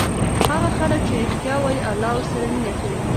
هغه خلک چې ریښتیا وایي الله ورسره مینه کوي.